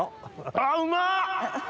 あうまっ！